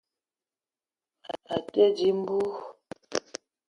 À te dìng mbú